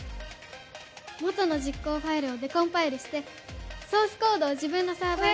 元の実行ファイルをデコンパイルしてソースコードを自分のサーバーに。